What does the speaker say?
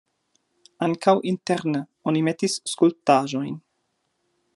Ankaŭ interne oni metis skulptaĵojn.